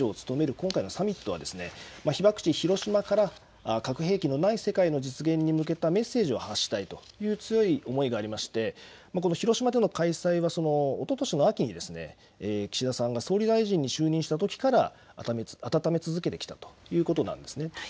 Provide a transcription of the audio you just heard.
今回のサミットは被爆地、広島から核兵器のない世界の実現に向けたメッセージを発したいという強い思いがありまして広島での開催はおととしの秋に岸田さんが総理大臣に就任したときから温め続けてきたということなんですね。